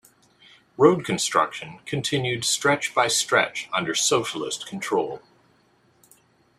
Road construction continued stretch by stretch under socialist control.